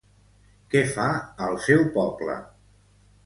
Què fa al seu poble?